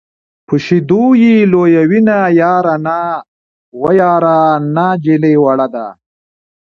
په شیدو یې لویوینه یاره نا وه یاره نا نجلۍ وړه ده.